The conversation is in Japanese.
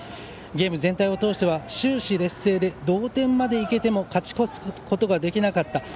ゲーム全体を通しては終始劣勢で同点までいけても勝ち越すことができなかった。